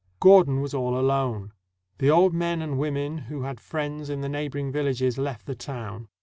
Gordon was all alone. The old men and women who had friends in the neighboring villages left the town.